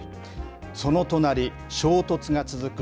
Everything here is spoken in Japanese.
その隣、衝突が続く